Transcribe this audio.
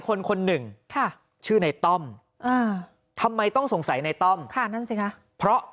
คนหนึ่งค่ะชื่อในต้อมอ่าทำไมต้องสงสัยในต้อมค่ะนั่นสิคะเพราะ